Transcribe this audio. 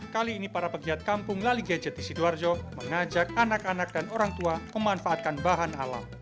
kali ini para pegiat kampung lali gadget di sidoarjo mengajak anak anak dan orang tua memanfaatkan bahan alam